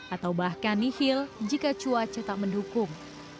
atau bahkan nihil jika cuaca tak mendukung